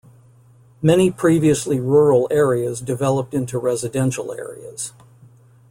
Many previously rural areas developed into residential areas.